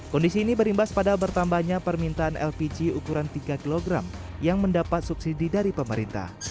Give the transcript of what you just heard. kondisi ini berimbas pada bertambahnya permintaan lpg ukuran tiga kg yang mendapat subsidi dari pemerintah